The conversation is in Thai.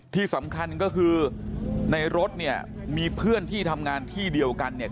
ที่สำคัญก็คือในรถเนี่ยมีเพื่อนที่ทำงานที่เดียวกันเนี่ย